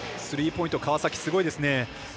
スリーポイント川崎、すごいですね。